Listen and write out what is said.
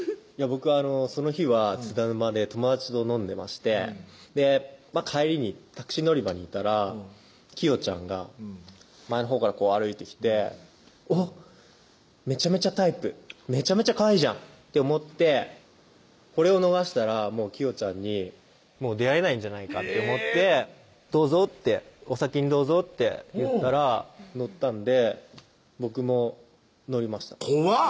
僕その日は津田沼で友達と飲んでまして帰りにタクシー乗り場にいたらきよちゃんが前のほうからこう歩いてきておっめちゃめちゃタイプめちゃめちゃかわいいじゃんって思ってこれを逃したらきよちゃんに出会えないんじゃないかと思って「お先にどうぞ」って言ったら乗ったんで僕も乗りました怖っ！